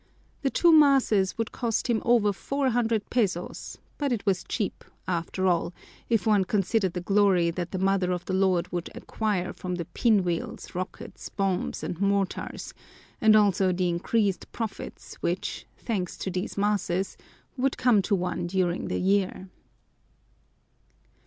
The two masses would cost him over four hundred pesos, but it was cheap, after all, if one considered the glory that the Mother of the Lord would acquire from the pin wheels, rockets, bombs, and mortars, and also the increased profits which, thanks to these masses, would come to one during the year.